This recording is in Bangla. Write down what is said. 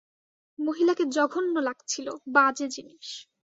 মহিলাকে জঘন্য লাগছিল, বাজে জিনিস।